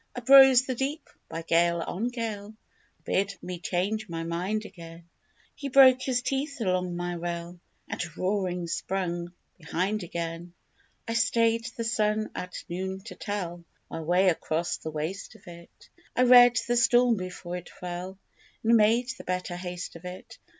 Uprose the deep, by gale on gale, To bid me change my mind again He broke his teeth along my rail, And, roaring, swung behind again. I stayed the sun at noon to tell My way across the waste of it; I read the storm before it fell And made the better haste of it.